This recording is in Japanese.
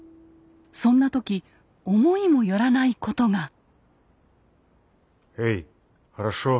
そんな時思いも寄らないことが。